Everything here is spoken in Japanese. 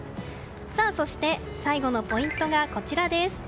そして、最後のポイントがこちら。